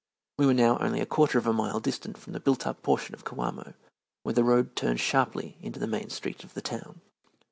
We were now only a quarter of a mile distant from the built up portion of Coamo, where the road turned sharply into the main street of the town.